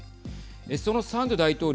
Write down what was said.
そのサンドゥ大統領